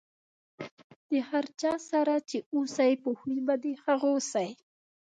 د هر چا سره چې اوسئ، په خوي به د هغو سئ.